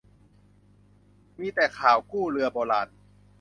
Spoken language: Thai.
มีแต่ข่าวกู้เรือโบราณ